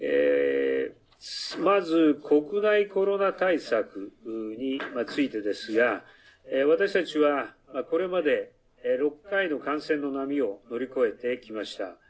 まず国内コロナ対策についてですが私たちは、これまで６回の感染の波を乗り越えてきました。